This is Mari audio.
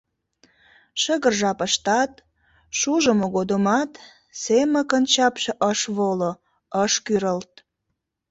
Шыгыр жапыштат, шужымо годымат семыкын чапше ыш воло, ыш кӱрылт.